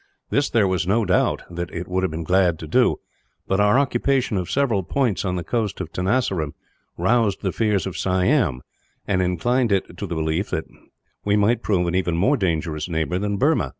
This there was no doubt that it would have been glad to do, but our occupation of several points on the coast of Tenasserim roused the fears of Siam, and inclined it to the belief that we might prove an even more dangerous neighbour than Burma.